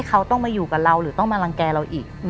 เขาต้องมาอยู่กับเราหรือต้องมารังแก่เราอีก